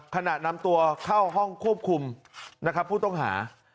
ขณะนำตัวเข้าห้องควบคุมนะครับผู้ต้องหา